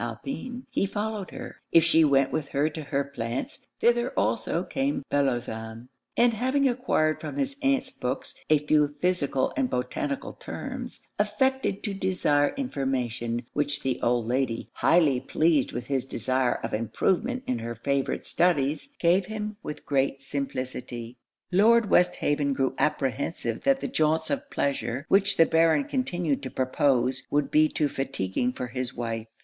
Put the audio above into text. Alpin, he followed her; if she went with her to her plants, thither also came Bellozane; and having acquired from his aunt's books a few physical and botanical terms, affected to desire information, which the old Lady, highly pleased with his desire of improvement in her favourite studies, gave him with great simplicity. Lord Westhaven grew apprehensive that the jaunts of pleasure which the Baron continued to propose would be too fatigueing for his wife.